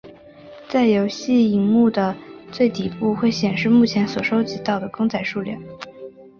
在游戏萤幕的最底部会显示目前所收集到的公仔数量。